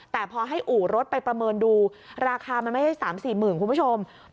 แต่พอให้อู่รถไปประเมินดูราคามันไม่ใช่๓๔หมื่นคุณผู้ชม